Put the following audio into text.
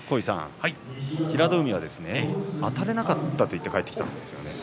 平戸海は、あたれなかったと言って帰ってきました。